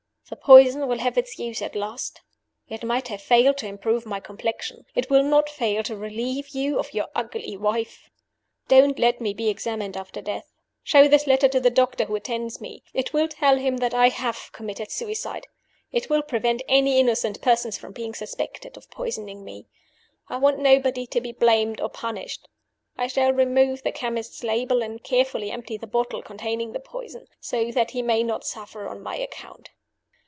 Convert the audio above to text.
The poison will have its use at last. It might have failed to improve my complexion it will not fail to relieve you of your ugly wife. "Don't let me be examined after death. Show this letter to the doctor who attends me. It will tell him that I have committed suicide; it will prevent any innocent persons from being suspected of poisoning me. I want nobody to be blamed or punished. I shall remove the chemist's label, and carefully empty the bottle containing the poison, so that he may not suffer on my account.